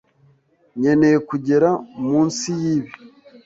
Nkeneye kugera munsi yibi.